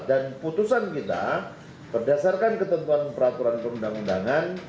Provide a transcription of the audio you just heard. dan putusan kita berdasarkan ketentuan peraturan perundang undangan